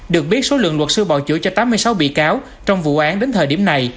được biết số lượng luật sư bảo chữa cho tám mươi sáu bị cáo trong vụ án đến thời điểm này